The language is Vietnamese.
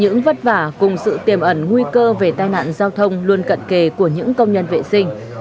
chúng tôi đã tìm hiểu và cùng sự tiềm ẩn nguy cơ về tai nạn giao thông luôn cận kề của những công nhân vệ sinh